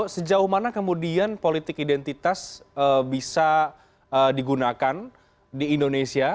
sejauh mana kemudian politik identitas bisa digunakan di indonesia